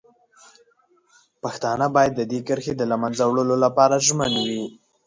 پښتانه باید د دې کرښې د له منځه وړلو لپاره ژمن وي.